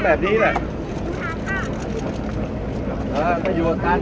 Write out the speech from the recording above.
สวัสดีครับทุกคน